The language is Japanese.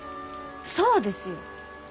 そうですよ！